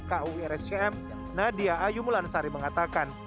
ku rsjm nadia ayu mulansari mengatakan